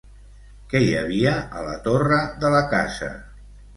Què hi havia a la torre de la casa?